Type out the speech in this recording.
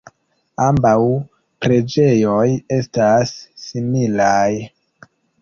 Ambaŭ preĝejoj estas similaj.